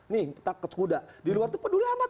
nih takut kuda di luar itu peduli amat